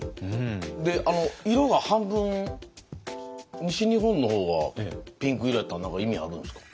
で色が半分西日本の方はピンク色やったんは何か意味あるんすか？